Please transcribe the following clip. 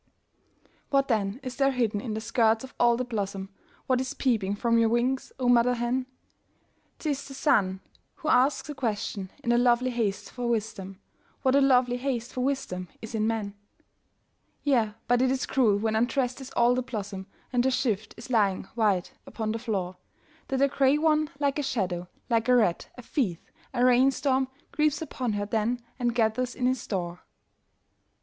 What then is there hidden in the skirts of all the blossom, What is peeping from your wings, oh mother hen? 'T is the sun who asks the question, in a lovely haste for wisdom What a lovely haste for wisdom is in men? Yea, but it is cruel when undressed is all the blossom, And her shift is lying white upon the floor, That a grey one, like a shadow, like a rat, a thief, a rain storm Creeps upon her then and gathers in his store.